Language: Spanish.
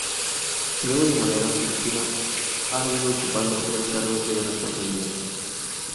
Luego de manera sucesiva ha ido ocupando otros cargos de responsabilidad.